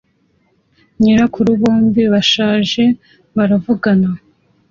Nyirakuru bombi bashaje baravugana